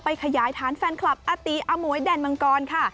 ขยายฐานแฟนคลับอาตีอมวยแดนมังกรค่ะ